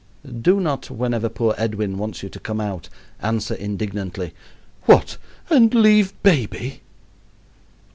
Do not, whenever poor Edwin wants you to come out, answer indignantly, "What, and leave baby!"